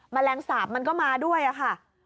แมลงสาปมันก็มาด้วยค่ะ